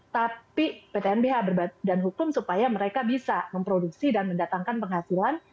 tapi ptnbh dan hukum supaya mereka bisa memproduksi dan mendatangkan penghasilan